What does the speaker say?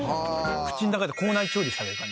口の中で口内調理される感じ。